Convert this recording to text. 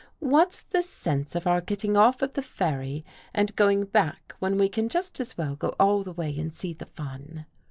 " What's the sense of our getting off at the ferry and going back when we can just as well go all the way and see the fun